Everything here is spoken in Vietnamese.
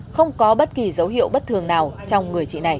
không có bất kỳ dấu hiệu bất thường nào trong người chị này